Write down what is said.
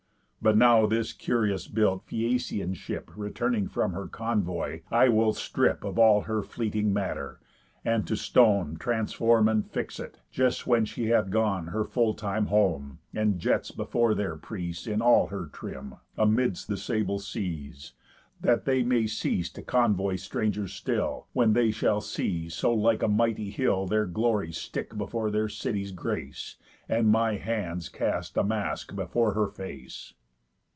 But now this curious built Phæacian ship, Returning from her convoy, I will strip Of all her fleeting matter, and to stone Transform and fix it, just when she hath gone Her full time home, and jets before their prease In all her trim, amids the sable seas, That they may cease to convoy strangers still, When they shall see so like a mighty hill Their glory stick before their city's grace, And my hands cast a mask before her face."